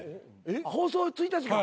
放送１日か。